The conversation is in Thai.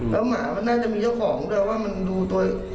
แล้วหมามันน่าจะมีเจ้าของด้วยว่ามันดูตัว